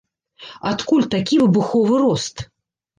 Адкуль такі выбуховы рост?